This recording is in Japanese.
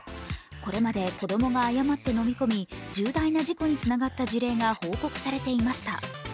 これまで子供が誤ってのみ込み、重大な事故につながった事例が報告されていました。